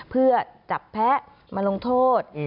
เพื่อจับแพ้มาลงโทษ